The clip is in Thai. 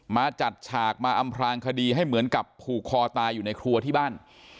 มาจัดฉากมาอำพลางคดีให้เหมือนกับผูกคอตายอยู่ในครัวที่บ้าน